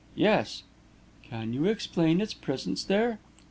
"Yes." "Can you explain its presence there?"